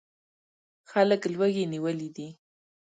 خلک لوږې نیولي دي.